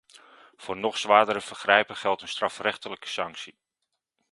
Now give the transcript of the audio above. Voor nog zwaardere vergrijpen geldt een strafrechtelijke sanctie.